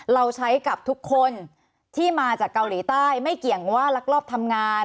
เราใช้กับทุกคนที่มาจากเกาหลีใต้ไม่เกี่ยงว่าลักลอบทำงาน